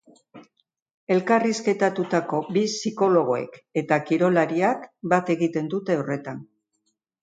Elkarrizketatutako bi psikologoek eta kirolariak bat egiten dute horretan.